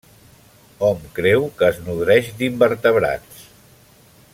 Hom creu que es nodreix d'invertebrats.